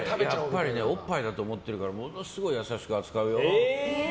おっぱいだと思ってるからものすごい優しく扱うよ。